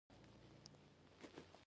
خلک د لیکلو زده کړه اړینه ګڼله.